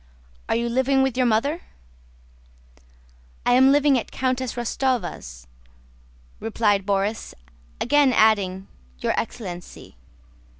"Are you living with your mother?" "I am living at Countess Rostóva's," replied Borís, again adding, "your excellency."